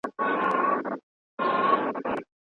پښتو ژبه د ژوند برخه ده.